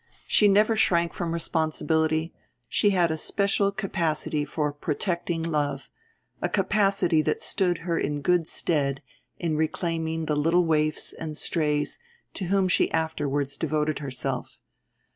She never shrank from responsibility, and she had a special capacity for protecting love—a capacity that stood her in good stead in reclaiming the little waifs and strays to whom she afterwards devoted herself.